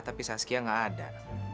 tapi saskia gak ada